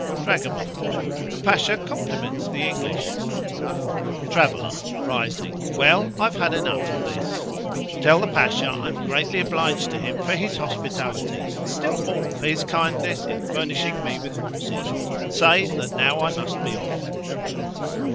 Dragoman.—The Pasha compliments the English. Traveller (rising).—Well, I've had enough of this. Tell the Pasha I am greatly obliged to him for his hospitality, and still more for his kindness in furnishing me with horses, and say that now I must be off.